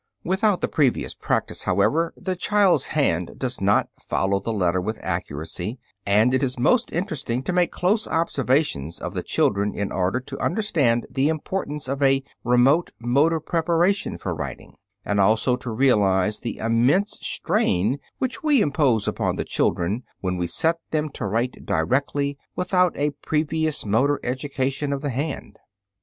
Without the previous practise, however, the child's hand does not follow the letter with accuracy, and it is most interesting to make close observations of the children in order to understand the importance of a remote motor preparation for writing, and also to realize the immense strain which we impose upon the children when we set them to write directly without a previous motor education of the hand.